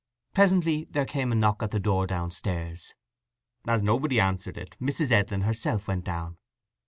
Presently there came a knock at the door downstairs. As nobody answered it Mrs. Edlin herself went down.